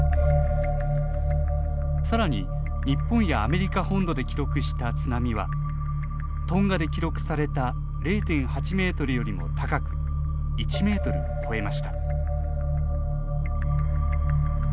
さらに、日本やアメリカ本土で記録した津波はトンガで記録された０．８メートルよりも高く１メートルを超えました。